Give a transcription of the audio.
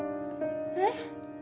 えっ？